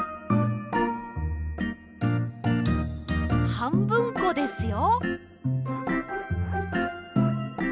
はんぶんこですよ。